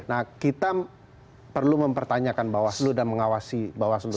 nah kita perlu mempertanyakan bawaslu dan mengawasi bawaslu